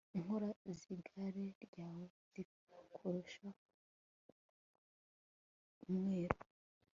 Inkōra zigare ryawe zigusha umwero